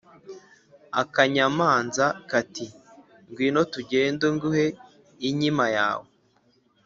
akanyamanza kati ‘ngwino tugende nguhe inkima yawe